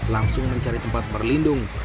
langsung mencari tempat berlindung